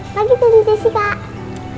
pagi tadi jessi kak